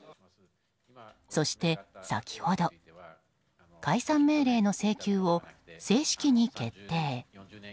そして先ほど、解散命令の請求を正式に決定。